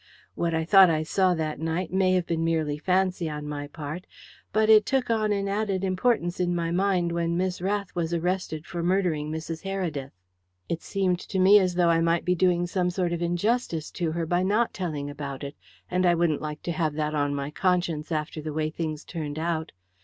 What I thought I saw that night may have been merely fancy on my part, but it took on an added importance in my mind when Miss Rath was arrested for murdering Mrs. Heredith. It seemed to me as though I might be doing some sort of injustice to her by not telling about it, and I wouldn't like to have that on my conscience after the way things turned out.